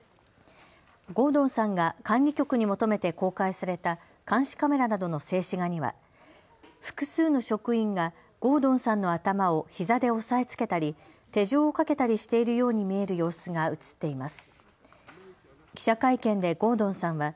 ゴードンさんが管理局に求めて公開された監視カメラなどの静止画には複数の職員がゴードンさんの頭をひざで押さえつけたり手錠をかけたりしているように見える様子が写っています。